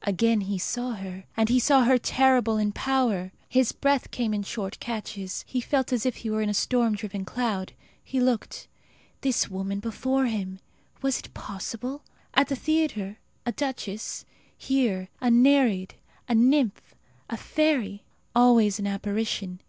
Again he saw her, and saw her terrible in power. His breath came in short catches. He felt as if he were in a storm driven cloud. He looked. This woman before him! Was it possible? At the theatre a duchess; here a nereid, a nymph, a fairy. Always an apparition.